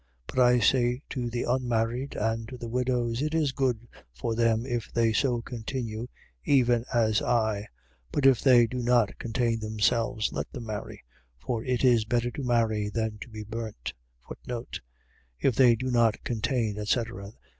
7:8. But I say to the unmarried and to the widows: It is good for them if they so continue, even as I. 7:9. But if they do not contain themselves, let them marry. For it is better to marry than to be burnt. If they do not contain, etc. ..